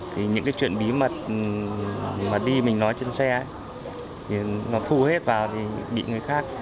thì những cái chuyện bí mật mà đi mình nói trên xe thì nó thu hết vào thì bị người khác